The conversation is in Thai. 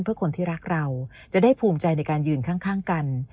เพื่อคนที่รักเราจะได้ภูมิใจในการยืนข้างกัน